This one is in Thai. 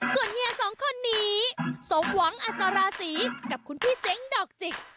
ส่วนเฮียสองคนนี้สมหวังอสราศีกับคุณพี่เจ๊งดอกจิก